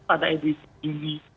ada edisi tinggi